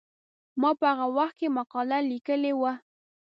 ما په هغه وخت کې مقاله لیکلې وه.